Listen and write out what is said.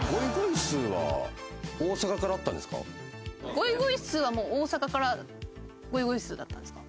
ゴイゴイスーは大阪からゴイゴイスーだったんですか？